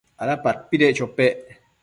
¿ada padpedec chopec?